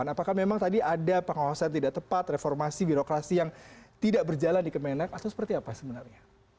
apakah memang tadi ada pengawasan tidak tepat reformasi birokrasi yang tidak berjalan di kemenang atau seperti apa sebenarnya